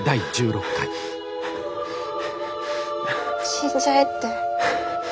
死んじゃえって。